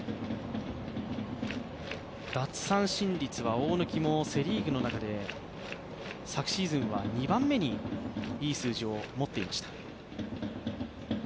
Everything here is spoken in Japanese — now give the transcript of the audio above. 奪三振率は、大貫もセ・リーグの中で昨シーズンは２番目にいい数字を持っていました